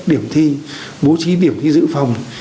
điểm thi bố trí điểm thi giữ phòng